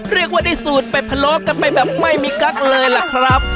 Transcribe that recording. เรียกว่าได้สูตรเป็ดพะโลกันไปแบบไม่มีกั๊กเลยล่ะครับ